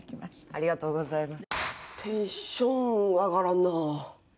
ありがとうございます。